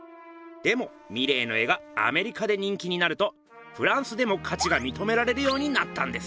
でもミレーの絵がアメリカで人気になるとフランスでもかちがみとめられるようになったんです。